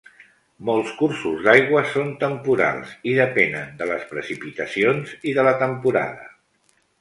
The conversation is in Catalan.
Molts cursos d'aigua són temporals i depenen de les precipitacions i de la temporada.